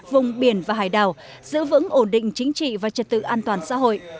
vùng biển và hải đảo giữ vững ổn định chính trị và trật tự an toàn xã hội